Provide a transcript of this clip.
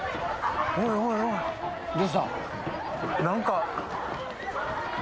何か。